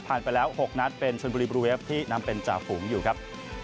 ไปแล้ว๖นัดเป็นชนบุรีบลูเวฟที่นำเป็นจ่าฝูงอยู่ครับ